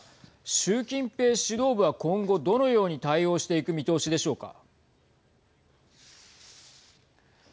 習近平指導部は今後どのように対応していく見通しでしょうか。